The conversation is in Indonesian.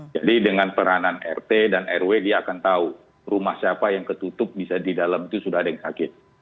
jadi dengan peranan rt dan rw dia akan tahu rumah siapa yang ketutup bisa di dalam itu sudah ada yang sakit